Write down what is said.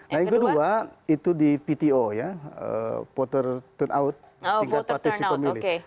nah yang kedua itu di pto ya voter turnout tingkat patisi pemilih